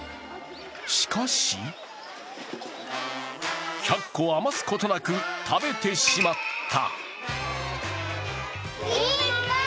しかし、１００個余すことなく食べてしまった。